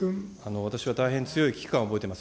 私は大変強い危機感を覚えています。